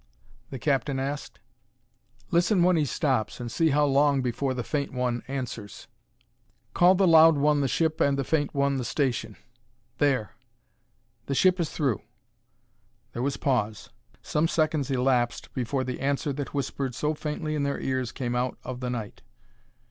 the captain asked. "Listen when he stops and see how long before the faint one answers. Call the loud one the ship and the faint one the station.... There! The ship is through!" There was pause; some seconds elapsed before the answer that whispered so faintly in their ears came out of the night.